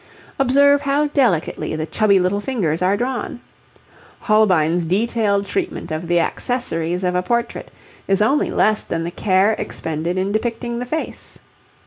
Observe how delicately the chubby little fingers are drawn. Holbein's detailed treatment of the accessories of a portrait is only less than the care expended in depicting the face.